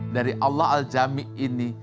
dari allah al jami ini